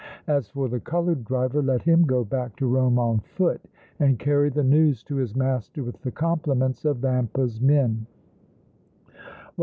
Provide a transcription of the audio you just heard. As for the colored driver, let him go back to Rome on foot and carry the news to his master with the compliments of Vampa's men!"